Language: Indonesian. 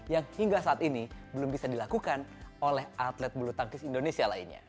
yang hingga saat ini belum bisa dilakukan oleh atlet bulu tangkis indonesia lainnya